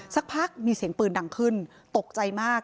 สักพักมีเสียงปืนดังขึ้นตกใจมาก